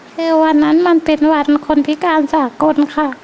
คือวันนั้นมันเป็นวันคนพิการสากลค่ะ